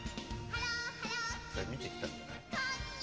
見てきたんじゃない？